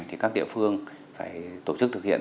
thì các địa phương phải tổ chức thực hiện